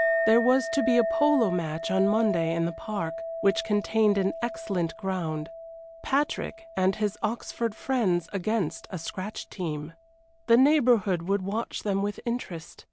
There was to be a polo match on Monday in the park, which contained an excellent ground Patrick and his Oxford friends against a scratch team. The neighborhood would watch them with interest.